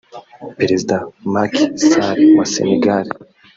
Perezida Macky Sall wa Sénégal